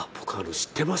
知ってます！